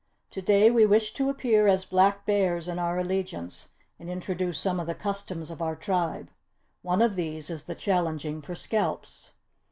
To day we wish to appear as Black Bears in our allegiance and introduce some of the customs of our Tribe. One of these is the challenging for scalps.